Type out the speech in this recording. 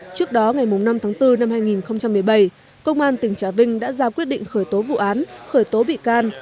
trước đó ngày năm tháng bốn năm hai nghìn một mươi bảy công an tỉnh trà vinh đã ra quyết định khởi tố vụ án khởi tố bị can